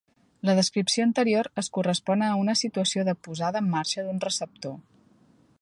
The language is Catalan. La descripció anterior és correspon a una situació de posada en marxa d'un receptor.